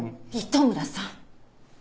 糸村さん！